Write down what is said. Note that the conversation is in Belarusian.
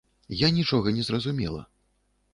Я нічога не зразумела.